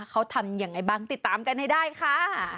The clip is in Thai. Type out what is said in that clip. เขาทำยังไงบ้างติดตามกันให้ได้ค่ะ